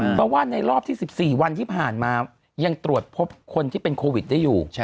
เพราะว่าในรอบที่๑๔วันที่ผ่านมายังตรวจพบคนที่เป็นโควิดได้อยู่